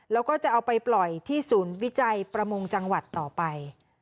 แล้วก็จะเอาไปปล่อยที่ศูนย์วิจัยประมงจังหวัดต่อไป